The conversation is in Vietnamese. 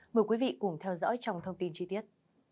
mời quý vị cùng theo dõi trong thông tin chi tiết